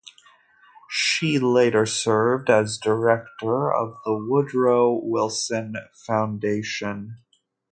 She later served as director of the Woodrow Wilson Foundation.